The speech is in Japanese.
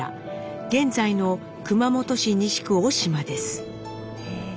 現在の熊本市西区小島です。